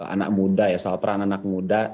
anak muda ya soal peran anak muda